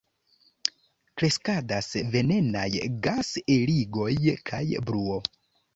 Kreskadas venenaj gas-eligoj kaj bruo.